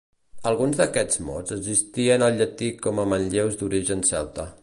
Alguns d'aquests mots existien al llatí com a manlleus d'origen celta.